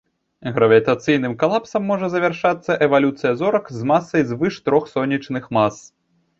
Гравітацыйным калапсам можа завяршацца эвалюцыя зорак з масай звыш трох сонечных мас.